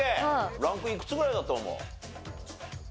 ランクいくつぐらいだと思う？